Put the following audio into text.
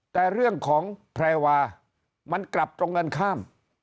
แต่เรื่องของแพรวามันกลับตรงกันข้าม